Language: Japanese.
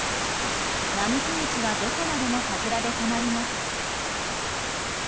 並木道はどこまでも桜で染まります。